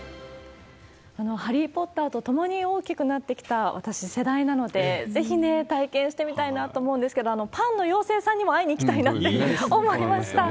ハリー・ポッターとともに大きくなってきた私、世代なので、ぜひね、体験してみたいなと思うんですけれども、パンの妖精さんにも会いに行きたいなって思いました。